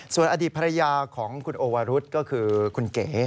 ส่วนอดีตภรรยาของคุณโอวรุษก็คือคุณเก๋